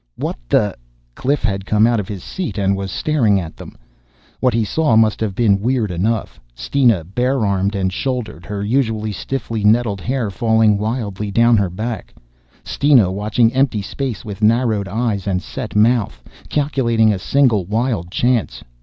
"What the...." Cliff had come out of his seat and was staring at them. What he saw must have been weird enough. Steena, bare armed and shouldered, her usually stiffly netted hair falling wildly down her back, Steena watching empty space with narrowed eyes and set mouth, calculating a single wild chance.